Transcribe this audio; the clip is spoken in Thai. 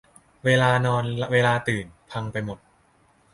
เวลานอน เวลาตื่น พังไปหมด